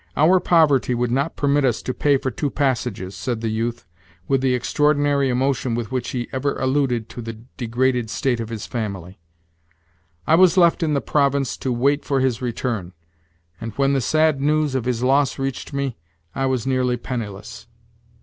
"Our poverty would not permit us to pay for two passages," said the youth, with the extraordinary emotion with which he ever alluded to the degraded state of his family; "I was left in the Province to wait for his return, and, when the sad news of his loss reached me, I was nearly penniless."